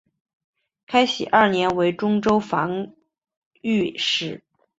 开禧二年为忠州防御使。